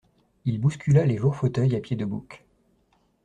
Il bouscula les lourds fauteuils à pieds de bouc.